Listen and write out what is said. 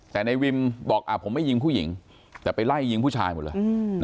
แต่ในวิมบอกผมไม่ยิงผู้หญิงแต่ไปไล่ยิงผู้ชายหมดเลย